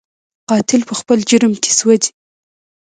قاتل په خپل جرم کې سوځي